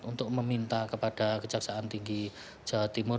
untuk meminta kepada kejaksaan tinggi jawa timur